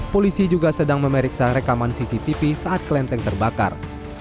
polisi juga sedang memeriksa rekaman cctv saat klenteng terbakar